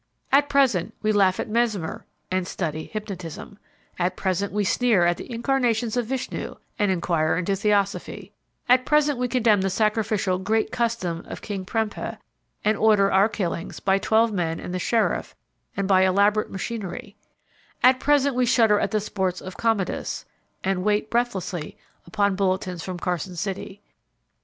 At present we laugh at Mesmer and study hypnotism; at present we sneer at the incarnations of Vishnu and inquire into Theosophy; at present we condemn the sacrificial "great custom" of King Prempeh and order our killings by twelve men and the sheriff and by elaborate machinery; at present we shudder at the sports of Commodus and wait breathlessly upon bulletins from Carson City.